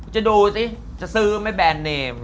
จะดูสิจะซื้อไหมแบรนดเนม